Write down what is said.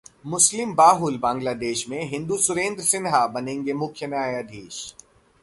मुस्लिम बहुल बांग्लादेश में हिंदू सुरेंद्र सिन्हा बनेंगे मुख्य न्यायाधीश